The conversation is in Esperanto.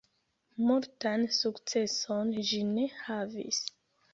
Multan sukceson ĝi ne havis.